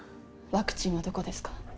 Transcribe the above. ワクチンはどこですか？